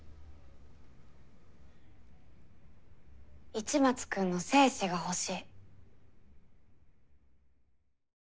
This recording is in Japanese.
市松君の精子が欲しい。